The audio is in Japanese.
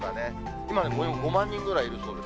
今５万人ぐらいいるそうです。